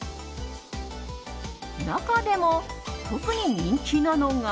中でも特に人気なのが。